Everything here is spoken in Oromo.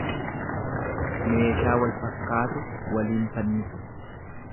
Meeshaa wal fakkaatu waliin fannisu.